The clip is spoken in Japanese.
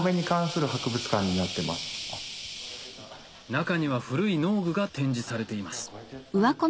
中には古い農具が展示されています